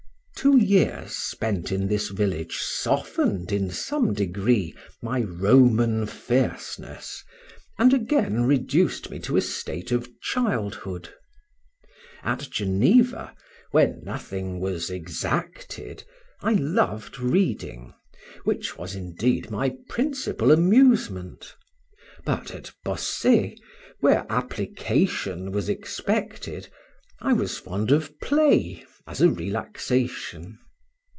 Two years spent in this village softened, in some degree, my Roman fierceness, and again reduced me to a state of childhood. At Geneva, where nothing was exacted, I loved reading, which was, indeed, my principal amusement; but, at Bossey, where application was expected, I was fond of play as a relaxation.